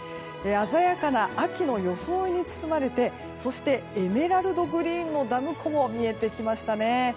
鮮やかな秋の装いに包まれてそして、エメラルドグリーンのダム湖も見えてきましたね。